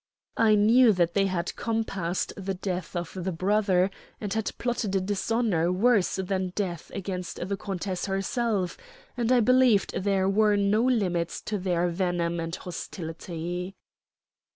I knew that they had compassed the death of the brother and had plotted a dishonor worse than death against the countess herself, and I believed there were no limits to their venom and hostility."